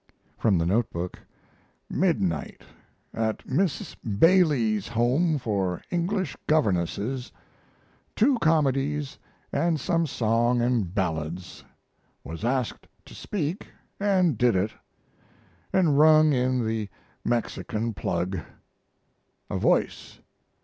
From the note book: Midnight. At Miss Bailie's home for English governesses. Two comedies & some songs and ballads. Was asked to speak & did it. (And rung in the "Mexican Plug.") A Voice.